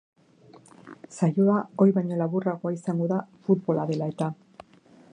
Saioa ohi baino laburragoa izango da, futbola dela eta.